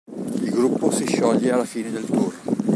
Il gruppo si scioglie alla fine del tour.